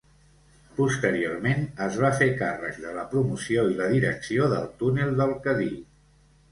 Posteriorment es va fer càrrec de la promoció i la direcció del Túnel del Cadí.